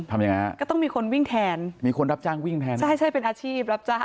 ทำยังไงฮะก็ต้องมีคนวิ่งแทนมีคนรับจ้างวิ่งแทนใช่ใช่เป็นอาชีพรับจ้าง